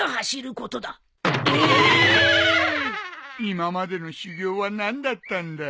今までの修業は何だったんだ？